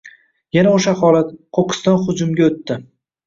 Yana oʻsha holat – qoʻqqisdan hujumga oʻtdi.